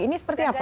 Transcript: ini seperti apa